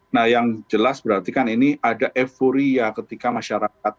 nah yang jelas berarti kan ini ada euforia ketika masyarakat